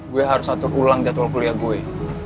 gue harus atur ulang jadwal kuliah gue